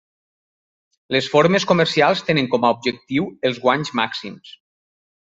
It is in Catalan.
Les formes comercials tenen com a objectiu els guanys màxims.